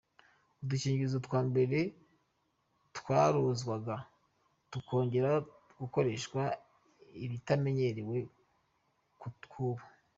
Udukingirizo twa mbere twarozwaga tukongera gukoreshwa ibitamenyerewe ku tw’ubu.